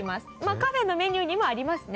カフェのメニューにもありますね。